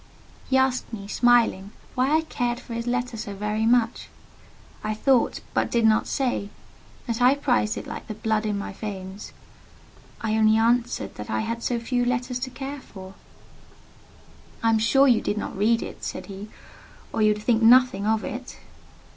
He asked me, smiling, why I cared for his letter so very much. I thought, but did not say, that I prized it like the blood in my veins. I only answered that I had so few letters to care for. "I am sure you did not read it," said he; "or you would think nothing of it!"